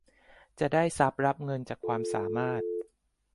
จะได้ทรัพย์รับเงินจากความสามารถ